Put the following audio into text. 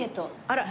あら。